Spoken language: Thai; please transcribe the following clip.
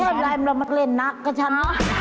เท่าไรเรามาเล่นนักกับฉัน